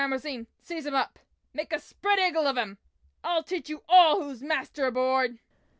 Seize him up! Make a spread eagle of him! I'll teach you all who is master aboard!"